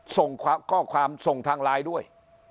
ส่งข้อความส่งทางไลน์ด้วย